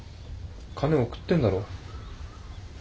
金送ってんだろ。